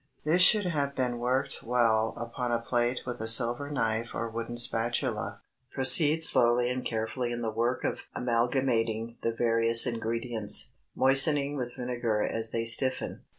This should have been worked well upon a plate with a silver knife or wooden spatula. Proceed slowly and carefully in the work of amalgamating the various ingredients, moistening with vinegar as they stiffen.